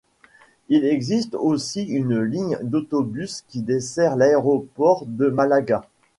Il existe aussi une ligne d'autobus qui dessert l'aéroport de Malaga.